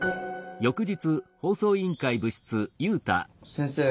先生